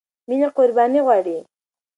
مینه قربانی غواړي.